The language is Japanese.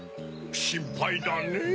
しんぱいだねぇ。